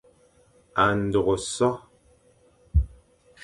A ndôghe so,